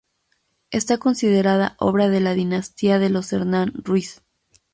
Está considerada obra de la dinastía de los Hernán Ruiz.